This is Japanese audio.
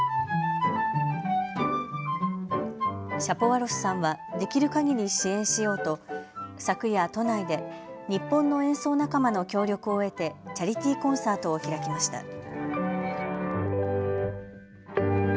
シャポワロフさんはできるかぎり支援しようと昨夜、都内で日本の演奏仲間の協力を得てチャリティーコンサートを開きました。